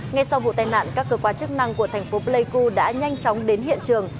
ngay sau vụ tai nạn các cơ quan chức năng của thành phố pleiku đã nhanh chóng đến hiện trường